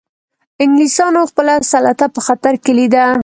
انګلیسانو خپله سلطه په خطر کې لیده.